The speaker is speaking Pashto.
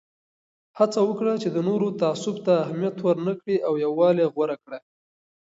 هڅه وکړه چې د نورو تعصب ته اهمیت ورنه کړې او یووالی غوره کړه.